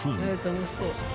「楽しそう」